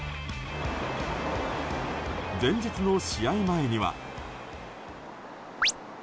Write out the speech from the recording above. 前日の試合前には。